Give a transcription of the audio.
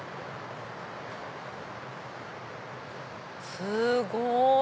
すごい！